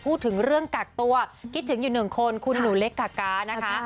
พูดถึงเรื่องกักตัวคิดถึงอยู่หนึ่งคนคุณหนูเล็กกาก๊านะคะ